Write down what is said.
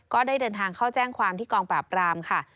ก็ได้เดินทางเข้าแจ้งความที่กองปราบรามค่ะ